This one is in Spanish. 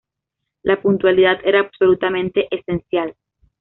La puntualidad era absolutamente esencial.